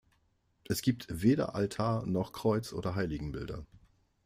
Es gibt weder Altar noch Kreuz oder Heiligenbilder.